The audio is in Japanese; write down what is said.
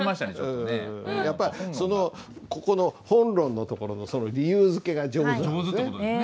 やっぱりそのここの本論のところの理由づけが上手なんですね。